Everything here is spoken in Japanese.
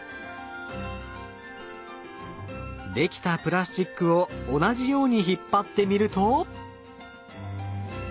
出来たプラスチックを同じように引っ張ってみると。